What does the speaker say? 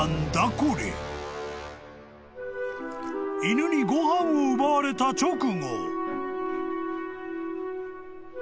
［犬にご飯を奪われた直後］